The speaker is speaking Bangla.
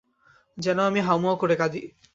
যেন আমি হাউমাউ করে কাঁদি।